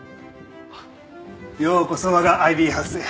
ようこそわがアイビーハウスへ。